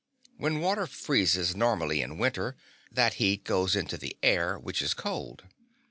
When water freezes normally in winter that heat goes into the air, which is cold.